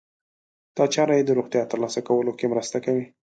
دا چاره يې د روغتیا ترلاسه کولو کې مرسته کوي.